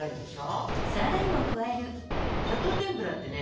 砂糖てんぷらってね